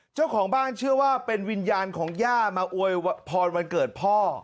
เจ้าของบ้านเชื่อว่าเป็นวิญญาณของย่ามาอวยพรวันเกิดพ่อ